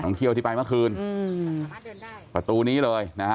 เที่ยวที่ไปเมื่อคืนอืมประตูนี้เลยนะฮะ